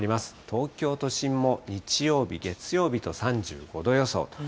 東京都心も日曜日、月曜日と３５度予想と。